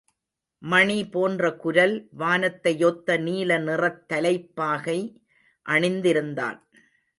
மணி போன்ற குரல், வானத்தையொத்த நீல நிறத் தலைப்பாகை அணிந்திருந்தான்.